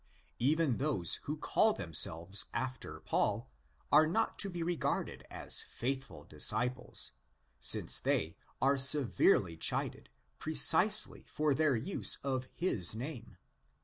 Even those who call themselves after Paul are not to be regarded as faithful disciples, since they are severely chidden precisely for their use of his name (1.